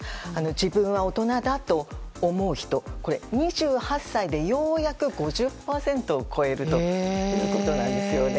自分は大人だと思う人２８歳でようやく５０％を超えるということです。